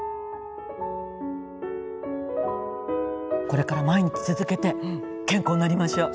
これから毎日続けて健康になりましょう。